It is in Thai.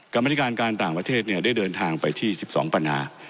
กรรมธิการการต่างประเทศได้เดินทางไปที่๑๒ปัญหา